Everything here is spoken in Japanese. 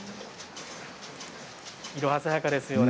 色鮮やかですよね。